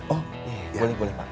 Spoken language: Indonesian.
oh boleh boleh pak